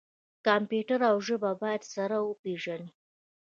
کمپیوټر او ژبه باید سره وپیژني.